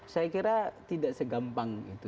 saya kira tidak segampang itu